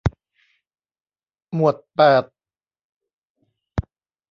หมวดแปด